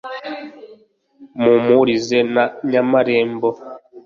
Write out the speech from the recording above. Mpumurize na Nyamarembo